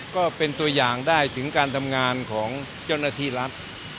ก็เป็นตัวอย่างได้ถึงการทำงานของเจ้าหน้าที่รัฐ